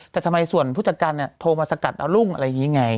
แต่ทำไมส่วนผู้จัดการโทรมาสกัดเอารุ่งอะไรอย่างนี้ไง